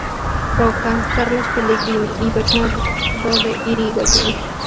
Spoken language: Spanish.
Roca, Carlos Pellegrini y Bernardo de Irigoyen.